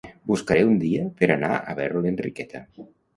Buscaré un dia per anar a veure l'Enriqueta